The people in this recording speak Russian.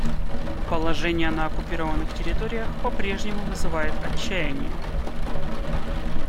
Положение на оккупированных территориях попрежнему вызывает отчаяние.